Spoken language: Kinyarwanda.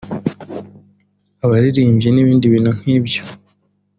abaririmbyi n’ibindi bintu nk’ibyo